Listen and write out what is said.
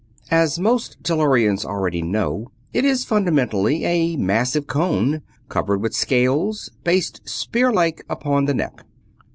As most Tellurians already know, it is fundamentally a massive cone, covered with scales, based spearhead like upon the neck.